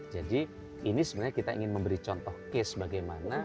jadi ini sebenarnya kita ingin memberi contoh case bagaimana